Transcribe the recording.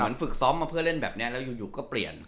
ฝึกซ้อมมาเพื่อเล่นแบบนี้แล้วอยู่ก็เปลี่ยน